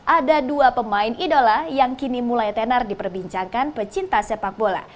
ada dua pemain idola yang kini mulai tenar diperbincangkan pecinta sepak bola